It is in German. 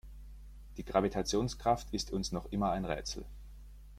Die Gravitationskraft ist uns noch immer ein Rätsel.